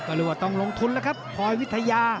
ก็เรียกว่าต้องลงทุนแล้วครับพลอยวิทยา